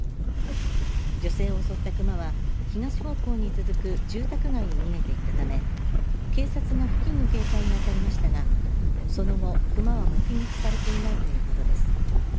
女性を襲った熊は東方向に続く住宅街に逃げていったため警察が付近の警戒に当たりましたがその後、熊は目撃されていないということです。